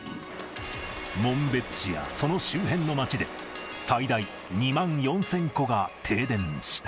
紋別市やその周辺の町で、最大２万４０００戸が停電した。